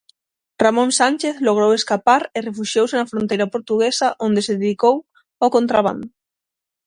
Ramón Sánchez logrou escapar e refuxiouse na fronteira portuguesa onde se dedicou ao contrabando.